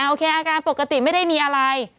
โอเคอาการปกติไม่ได้มีอะไร